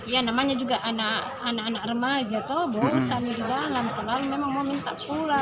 ya namanya juga anak anak remaja tuh bosan di dalam lama memang mau minta pulang